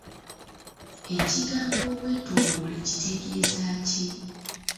Ekigambo obwetooloole kitegeeza ki?